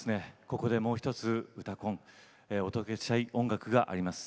ここでもう１つ「うたコン」お届けしたい音楽があります。